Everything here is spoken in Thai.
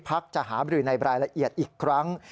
พลักษณ์จะหาบริหรือในบรายละเอียดอีกครั้ง